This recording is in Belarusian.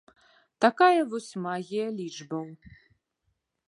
Такая вось магія лічбаў.